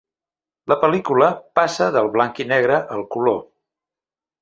La pel·lícula passa del blanc i negre al color.